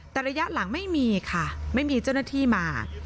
แต่ระยะหลังไม่มีค่ะไม่มีเจ้าหน้าที่มา